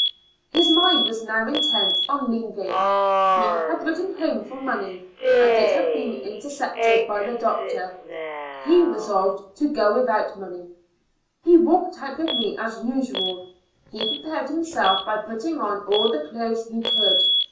His mind was now intent on leaving; he had written home for money, and it had been intercepted by the doctor ; he resolv Ili A L UNA TIC A STL TJ3L J 5 ^ eel to go without money. He walked out with me as usual ; he prepared himself by putting on all the clothes he could.